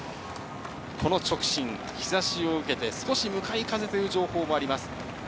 この直進、日差しを受けて少し向かい風という情報もあります。